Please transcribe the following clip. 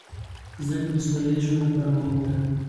زده کړه د سوله ییز ژوند لپاره مهمه ده.